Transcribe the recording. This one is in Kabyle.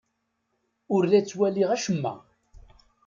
Ur la ttwaliɣ acemma!